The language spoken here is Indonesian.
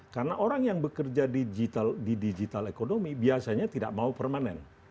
karena orang yang bekerja di digital ekonomi biasanya tidak mau permanen